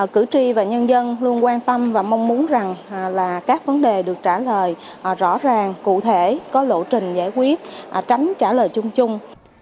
cử tri và nhân dân luôn quan tâm và mong muốn rằng là các vấn đề được trả lời rõ ràng cụ thể có lộ trình giải quyết tránh trả lời chung chung